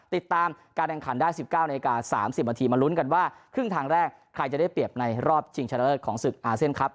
ติดตามการแข่งขันได้๑๙นาที๓๐นาทีมาลุ้นกันว่าครึ่งทางแรกใครจะได้เปรียบในรอบชิงชะเลิศของศึกอาเซียนครับ